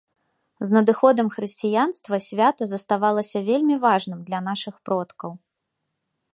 З надыходам хрысціянства свята заставалася вельмі важным для нашых продкаў.